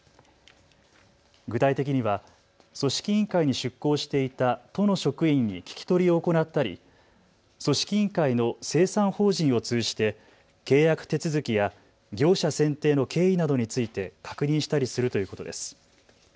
具体的には組織委員会に出向していた都の職員に聞き取りを行ったり組織委員会の清算法人を通じて契約手続きや業者選定の経緯などについて確認したりするということです。